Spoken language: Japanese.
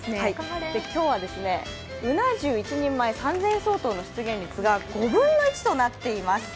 今日はうな重１人前３００円相当の出現率が５分の１となっています。